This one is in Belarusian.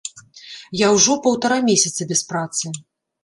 Я ужо паўтара месяца без працы.